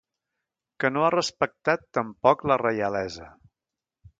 Que no ha respectat tampoc la reialesa.